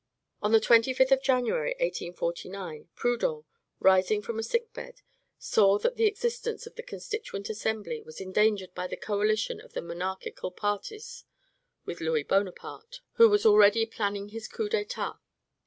On the 25th of January, 1849, Proudhon, rising from a sick bed, saw that the existence of the Constituent Assembly was endangered by the coalition of the monarchical parties with Louis Bonaparte, who was already planning his coup d'Etat.